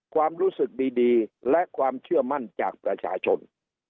ความรู้สึกดีและความเชื่อมั่นจากประชาชน